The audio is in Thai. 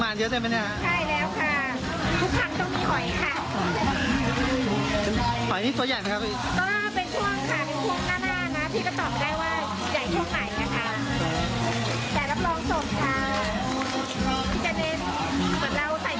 พี่กะเดชผมจะใจใจทุกกำตัดครั้งต้องมีหอยค่ะ